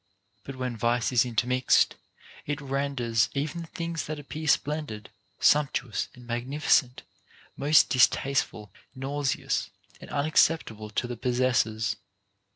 But when vice is intermixed, it renders even the things that appear splen did, sumptuous, and magnificent most distasteful, nauseous, and unacceptable to the possessors.